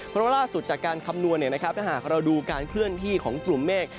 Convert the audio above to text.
เพราะว่าล่าสุดจากการคำนวณถ้าหากเราดูการเคลื่อนที่ของกลุ่มเมฆ